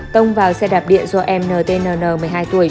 tông vào xe đạp điện do em ntnn một mươi hai tuổi